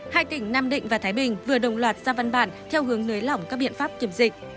hai tỉnh nam định và thái bình vừa đồng loạt ra văn bản theo hướng nới lỏng các biện pháp kiểm dịch